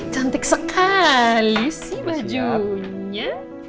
cantik sekali si bajunya